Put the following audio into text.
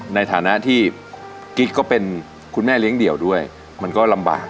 ในฐานะที่กิ๊กก็เป็นคุณแม่เลี้ยงเดี่ยวด้วยมันก็ลำบาก